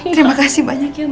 terima kasih banyak ya ma